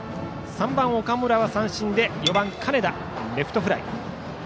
３番、岡村は三振で４番の金田はレフトフライ。